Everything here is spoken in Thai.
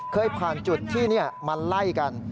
เคยผ่านจุดที่มาไล่กัน